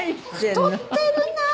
太ってるなあ！